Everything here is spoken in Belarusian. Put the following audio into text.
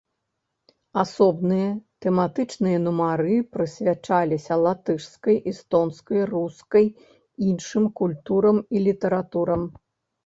Асобныя тэматычныя нумары прысвячаліся латышскай, эстонскай, рускай, іншым культурам і літаратурам.